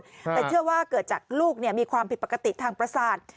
แต่เชื่อว่าเกิดจากลูกมีความผิดปกติทางประสาท